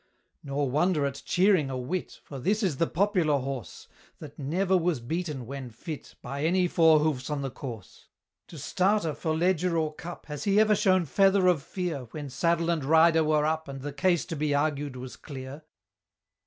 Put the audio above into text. Nor wonder at cheering a wit, For this is the popular horse, That never was beaten when "fit" By any four hoofs on the course; To starter for Leger or Cup, Has he ever shown feather of fear When saddle and rider were up And the case to be argued was clear?